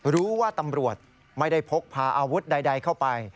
รู้ว่าตำรวจไม่ได้พกพาอาวุธใดเข้าไป